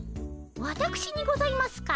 わたくしにございますか？